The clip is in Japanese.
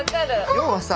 要はさ